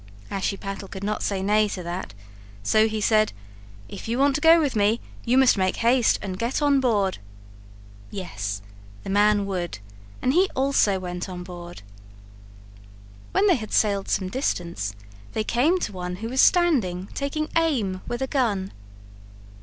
Ashiepattle could not say nay to that, so he said: "If you want to go with me, you must make haste and get on board." Yes, the man would. And he also went on board. When they had sailed some distance they came to one who was standing taking aim with a gun.